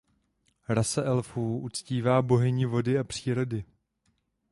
Rasa Elfů uctívá bohyni vody a přírody.